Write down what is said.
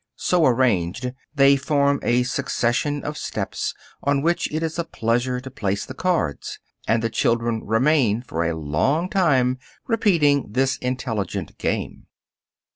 So arranged, they form a succession of steps on which it is a pleasure to place the cards, and the children remain for a long time repeating this intelligent game.